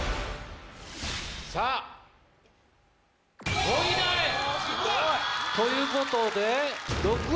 さぁ。ということで。